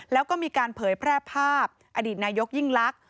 แล้วก็มีการเผยแพร่ภาพอดีตนายกยิ่งลักษณ